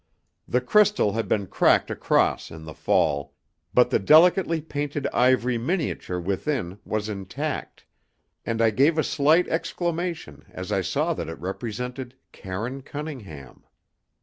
The crystal had been cracked across in the fall, but the delicately painted ivory miniature within was intact, and I gave a slight exclamation as I saw that it represented Karine Cunningham.